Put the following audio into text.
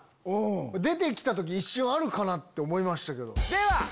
出て来た時一瞬あるかな？って思いましたけど。